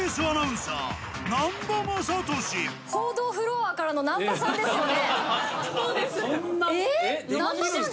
報道フロアからの南波さんですよね